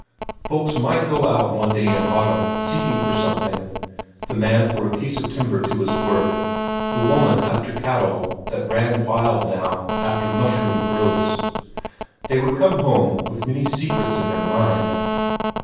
Folks might go out one day in autumn seeking for something the man for a piece of timber to his work, the woman after cattle that ran wild now after mushroom growths: they would come home with many secrets in their mind.